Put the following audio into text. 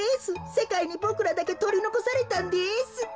せかいにボクらだけとりのこされたんです。